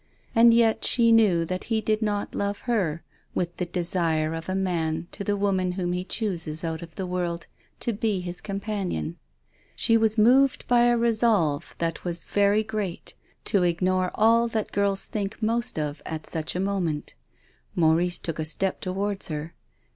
And yet she knew that he did not love her with the desire of man to the woman whom he chooses out of the world to be his com panion. She was moved by a resolve that was very great to ignore all that girls think most of at such a moment. Maurice took a step towards her.